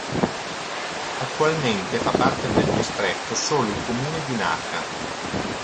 Attualmente fa parte del distretto solo il comune di Naka.